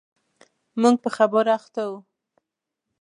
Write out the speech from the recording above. موږ په خبرو اخته و.